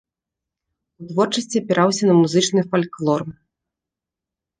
У творчасці апіраўся на музычны фальклор.